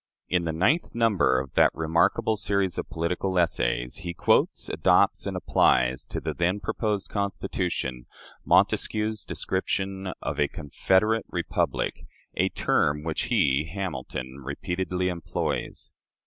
In the ninth number of that remarkable series of political essays, he quotes, adopts, and applies to the then proposed Constitution, Montesquieu's description of a "CONFEDERATE REPUBLIC," a term which he (Hamilton) repeatedly employs.